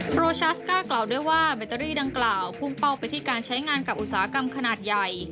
โรชาสก้ากล่าวด้วยว่าแบตเตอรี่ดังกล่าวพุ่งเป้าไปที่การใช้งานกับอุตสาหกรรมขนาดใหญ่